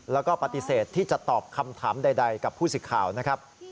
แล้วก็ปฏิเสธที่จะตอบคำถามใดกับผู้สิทธิ์ข่าวนะครับ